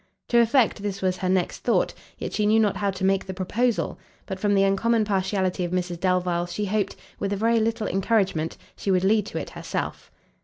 To effect this was her next thought; yet she knew not how to make the proposal, but from the uncommon partiality of Mrs Delvile, she hoped, with a very little encouragement, she would lead to it herself.